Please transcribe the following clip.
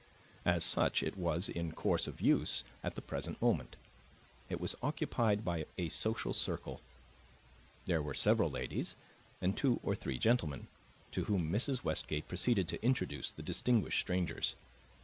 As such it was in course of use at the present moment; it was occupied by a social circle. There were several ladies and two or three gentlemen, to whom Mrs. Westgate proceeded to introduce the distinguished strangers.